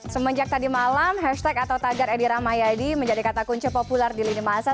semenjak tadi malam hashtag atau tagar edi rahmayadi menjadi kata kunci populer di lini masa